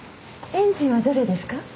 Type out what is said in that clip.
エンジンはどれですか？